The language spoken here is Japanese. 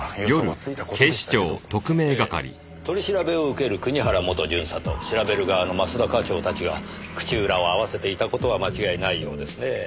取り調べを受ける国原元巡査と調べる側の益田課長たちが口裏を合わせていた事は間違いないようですね。